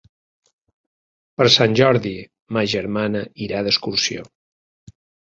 Per Sant Jordi ma germana irà d'excursió.